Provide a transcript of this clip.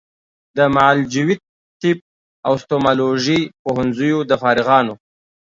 د معالجوي طب او ستوماتولوژي پوهنځیو د فارغانو